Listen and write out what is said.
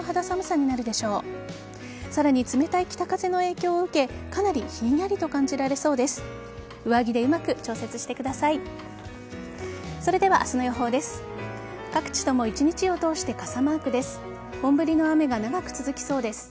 さらに冷たい北風の影響を受けかなりひんやりと感じられそうです。